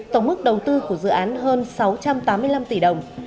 tổng mức đầu tư của dự án hơn sáu trăm tám mươi năm tỷ đồng